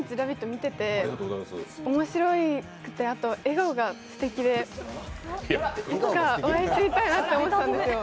見てて、おもしろくてあと、笑顔がすてきで、いつかお会いしてみたいなと思ってたんですよ。